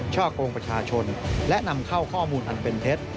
ช่อกงประชาชนและนำเข้าข้อมูลอันเป็นเท็จ